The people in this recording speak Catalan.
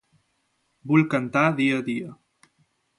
Vull cantar dia a dia.